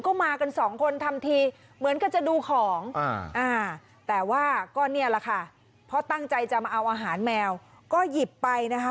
ก็มากันสองคนทำทีเหมือนกันจะดูของแต่ว่าก็เนี่ยแหละค่ะเพราะตั้งใจจะมาเอาอาหารแมวก็หยิบไปนะคะ